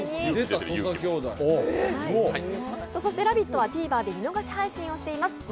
「ラヴィット！」はＴＶｅｒで見逃し配信をしています。